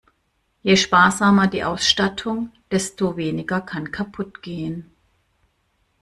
Je sparsamer die Ausstattung, desto weniger kann kaputt gehen.